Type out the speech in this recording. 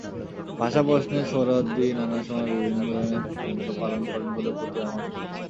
ভাষা প্রশ্নে সোহরাওয়ার্দী নানা সময়ে বিভিন্ন ধরনের ভূমিকা পালন করেন বলে প্রতীয়মান হয়।